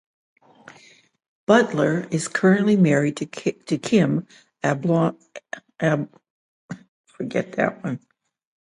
Butler is currently married to Kim Ablondi.